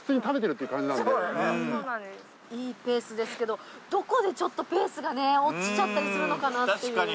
いいペースですけどどこでちょっとペースが落ちちゃったりするのかっていう。